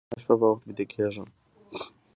زه هره شپه په وخت ویده کېږم.